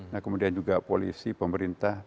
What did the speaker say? nah kemudian juga polisi pemerintah